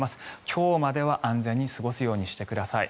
今日までは安全に過ごすようにしてください。